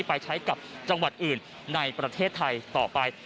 ไปใช้กับจังหวัดอื่นในประเทศไทยต่อไป